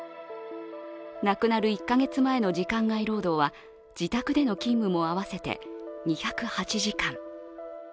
亡くなる１か月前の時間外労働は自宅での勤務も合わせて２０８時間。